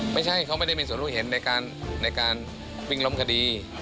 ไม่ใช่เขาไม่ได้มีส่วนรู้เห็นในการวิ่งล้มคดี